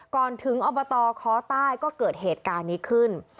ก่อนถึงอบตคใต้ก็เกิดเหตุการณ์นี้ขึ้น